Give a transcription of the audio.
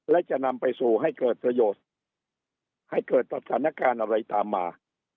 และจะนำไปสู่ให้เกิดประโยชน์ให้เกิดสถานการณ์อะไรตามมา